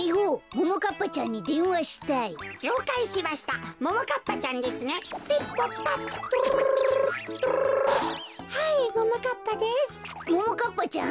ももかっぱちゃん？